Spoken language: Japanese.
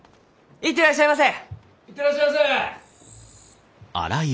行ってらっしゃいませ！